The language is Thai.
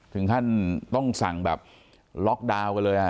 ถึงขั้นต้องสั่งแบบล็อกดาวน์กันเลย